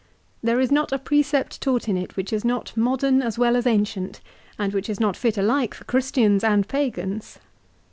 There is not a precept taught in it which is not modern as well as ancient, and which is not fit alike for Christians and Pagans.